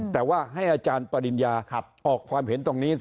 แต่ว่าให้อาจารย์ปริญญาออกความเห็นตรงนี้